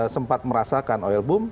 sempat merasakan oil boom